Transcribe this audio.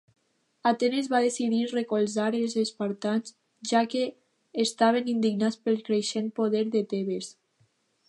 Atenes va decidir recolzar els Espartans, ja que estaven indignats pel creixent poder de Tebes.